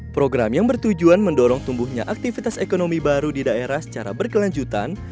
program yang bertujuan mendorong tumbuhnya aktivitas ekonomi baru di daerah secara berkelanjutan